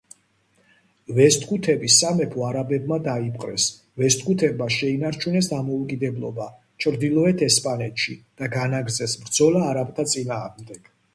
ვესტგუთების სამეფო არაბებმა დაიპყრეს, ვესტგუთებმა შეინარჩუნეს დამოუკიდებლობა ჩრდილოეთ ესპანეთში და განაგრძეს ბრძოლა არაბთა წინააღმდეგ.